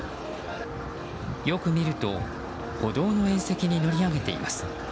よく見ると歩道の縁石に乗り上げています。